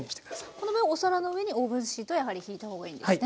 この場合はお皿の上にオーブンシートをやはりひいた方がいいんですね？